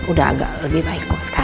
udah agak lebih baik kok sekarang